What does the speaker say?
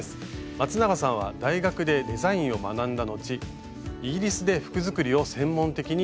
まつながさんは大学でデザインを学んだ後イギリスで服作りを専門的に学びます。